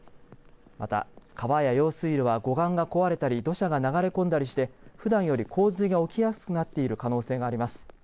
また、川や用水路は護岸が壊れたり土砂が流れ込んだりしてふだんより洪水が起きやすくなっている可能性があります。